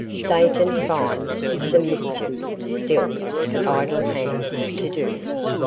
"Satan finds some mischief still For idle hands to do."